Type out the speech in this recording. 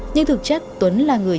nhưng thực chất tuấn là người